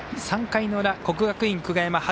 ３回の裏、国学院久我山